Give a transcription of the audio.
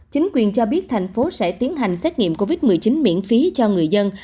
chính quyền cho biết thành phố sẽ tiến hành xét nghiệm covid một mươi chín miễn phí cho người dân